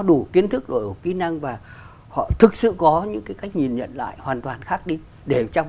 đủ kiến thức đổi kỹ năng và họ thực sự có những cái cách nhìn nhận lại hoàn toàn khác đi để trong